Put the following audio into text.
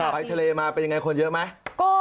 ไปทะเลมาเป็นยังไงคนเยอะไหม